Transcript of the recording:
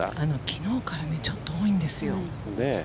昨日からちょっと多いんですよ。